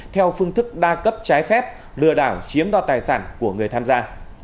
theo phương thức đa cấp trái phép lừa đảo chiếm đoạt tài sản của người tham gia